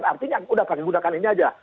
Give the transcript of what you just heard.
artinya udah kami gunakan ini aja